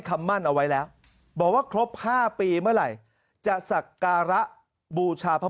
คำมั่นเอาไว้แล้วบอกว่าครบ๕ปีเมื่อไหร่จะสักการะบูชาพระ